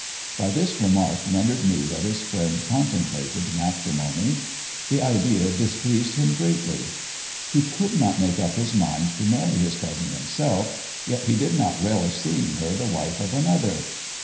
By this remark Leonard knew that his friend con templated matrimony. The idea displeased him greatly. lass JONATHAN 181 He could not make up his mind to marry his cousin him self, yet he did not relish seeing her the wife of another.